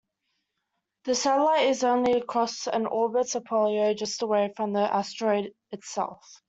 The satellite is only across and orbits Apollo just away from the asteroid itself.